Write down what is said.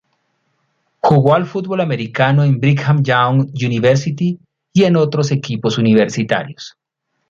Jugó al fútbol americano en la Brigham Young University, y en otros equipos universitarios.